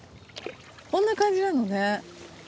こんな感じなのね。